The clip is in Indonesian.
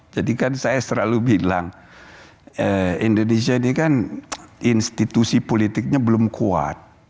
jadi kan saya selalu bilang indonesia ini kan institusi politiknya belum kuat